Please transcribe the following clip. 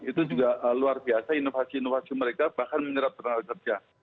itu juga luar biasa inovasi inovasi mereka bahkan menyerap tenaga kerja